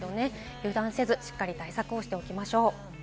油断せず、しっかり対策をしておきましょう。